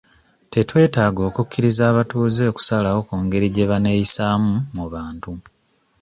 Tetwetaaga okukkiriza abatuuze okusalawo ku ngeri gye baneeyisaamu mu bantu.